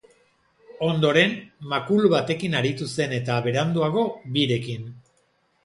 Ondoren, makulu batekin aritu zen eta, beranduago, birekin.